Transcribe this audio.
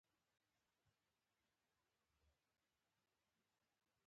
دښمن پیژندل د عقل کار دی.